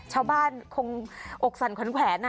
ชาวบ้านคงอกสั่นขวัญแขวน